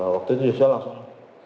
waktu itu joshua langsung